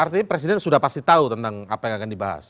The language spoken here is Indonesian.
artinya presiden sudah pasti tahu tentang apa yang akan dibahas